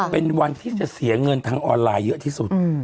เป็นวันที่จะเสียเงินทางออนไลน์เยอะที่สุด